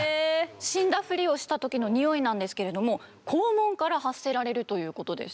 死んだふりをした時のニオイなんですけれども肛門から発せられるということです。